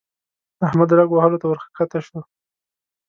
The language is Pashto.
احمد رګ وهلو ته ورکښته شو.